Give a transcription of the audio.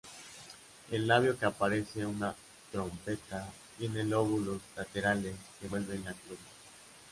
El labio que parece una trompeta, tiene lóbulos laterales que envuelven la columna.